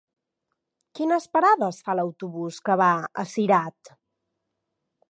Quines parades fa l'autobús que va a Cirat?